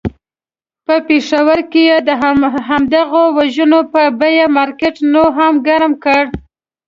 په پېښور کې یې د همدغو وژنو په بیه مارکېټ نور هم ګرم کړ.